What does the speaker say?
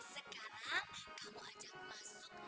sekarang kamu ajak masuk